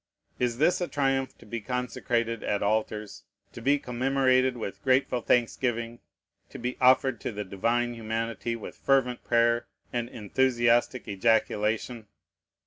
Is this a triumph to be consecrated at altars, to be commemorated with grateful thanksgiving, to be offered to the Divine Humanity with fervent prayer and enthusiastic ejaculation?